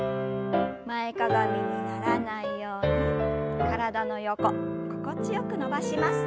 前かがみにならないように体の横心地よく伸ばします。